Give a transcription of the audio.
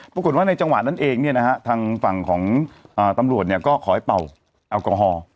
ปรากฏว่าในจังหวะนั้นเองเนี่ยนะฮะทางฝั่งของตำรวจก็ขอให้เป่าแอลกอฮอล์